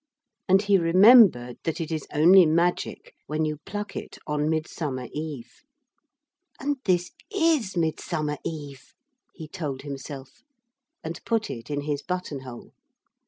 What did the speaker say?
And he remembered that it is only magic when you pluck it on Midsummer Eve. 'And this is Midsummer Eve,' he told himself, and put it in his buttonhole.